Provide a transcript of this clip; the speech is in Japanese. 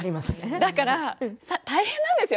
だから大変なんですよ。